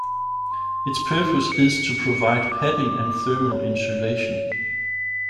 Its purpose is to provide padding and thermal insulation.